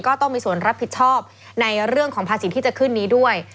ก็ต้องมีส่วนรับผิดชอบในเรื่องของภาษีที่จะขึ้นนี้ด้วย